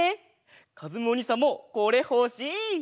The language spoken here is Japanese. かずむおにいさんもこれほしい！